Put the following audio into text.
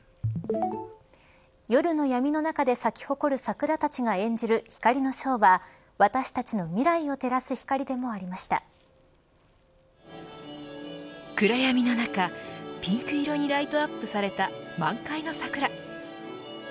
夜の闇の中で咲き誇る桜たちが演じる光のショーは、私たちの未来を照暗闇の中ピンク色にライトアップされた満開の桜。